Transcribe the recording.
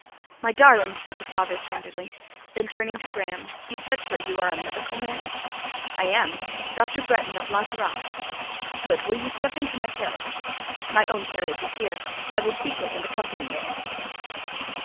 "My darling!" said the father, tenderly; then turning to Graham, "You said, sir, you are a medical man?" "I am: Dr. Bretton, of La Terrasse." "Good. Will you step into my carriage?" "My own carriage is here: I will seek it, and accompany you."